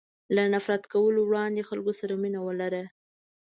له نفرت کولو وړاندې خلکو سره مینه ولره.